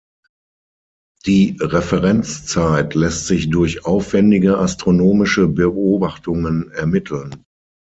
Die Referenzzeit lässt sich durch aufwendige astronomische Beobachtungen ermitteln.